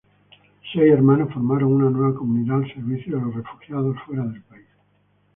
Seis hermanos formaron una nueva comunidad al servicio de los refugiados fuera del país.